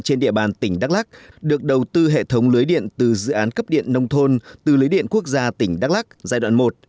trên địa bàn tỉnh đắk lắc được đầu tư hệ thống lưới điện từ dự án cấp điện nông thôn từ lưới điện quốc gia tỉnh đắk lắc giai đoạn một